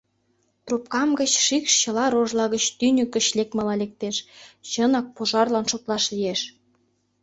Трупкам гыч шикш чыла рожла гыч тӱньык гыч лекмыла лектеш — чынак пожарлан шотлаш лиеш.